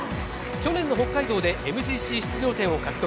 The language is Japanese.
去年の北海道でＭＧＣ出場権を獲得。